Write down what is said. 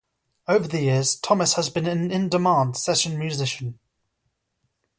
Over the years Thomas has been an in-demand session musician.